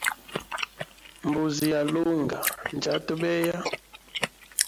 Mbuzi ya lunga njyata beya.